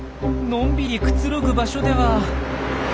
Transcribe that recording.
のんびりくつろぐ場所では。